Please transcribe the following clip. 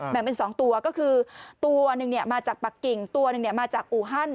แบ่งเป็น๒ตัวก็คือตัวหนึ่งเนี่ยมาจากปักกิ่งตัวหนึ่งเนี่ยมาจากอูฮั่น